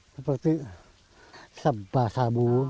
seperti seba sabun